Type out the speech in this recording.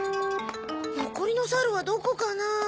残りの猿はどこかなあ？